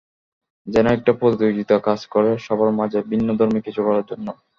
যেন একটা প্রতিযোগিতা কাজ করে সবাব মাঝে, ভিন্নধর্মী কিছু করার জন্য।